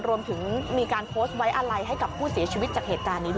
รวมถึงมีการโพสต์ไว้อะไรให้กับผู้เสียชีวิตจากเหตุการณ์นี้ด้วย